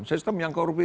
sistem yang korup itu